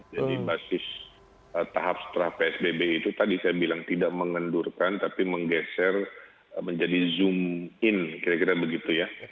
jadi basis tahap setelah psbb itu tadi saya bilang tidak mengendurkan tapi menggeser menjadi zoom in kira kira begitu ya